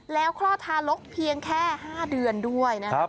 แล้วคลอดทารกเพียงแค่๕เดือนด้วยนะครับ